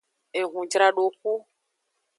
Ehunjradoxu.